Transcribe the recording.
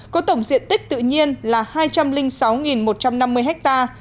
có tổng diện tích tự nhiên là hai trăm linh sáu một trăm năm mươi ha